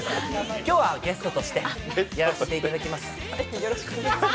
今日はゲストとしてやらせていただきます。